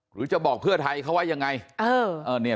หรือจะบอกเพื่อไทยเขาว่ายังไง